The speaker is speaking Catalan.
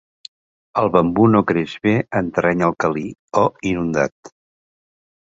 El bambú no creix bé en terreny alcalí o inundat.